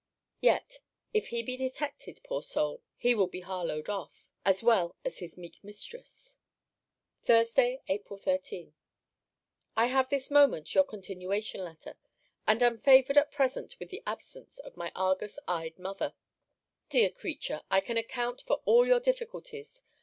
Yet, if he be detected, poor soul, he will be Harlowed off, as well as his meek mistress. THURSDAY, APRIL 13. I have this moment your continuation letter. And am favoured, at present, with the absence of my Argus eyes mother. Dear creature! I can account for all your difficulties.